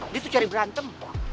dia tuh cari berantem